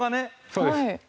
そうです。